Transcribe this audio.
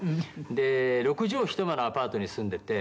「で六畳一間のアパートに住んでて」